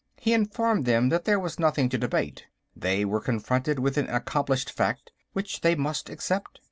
He informed them that there was nothing to debate; they were confronted with an accomplished fact which they must accept.